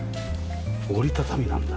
折りたたみなんだ。